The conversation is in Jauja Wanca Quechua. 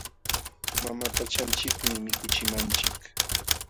Mama pachanchikmi mikuchimanchik.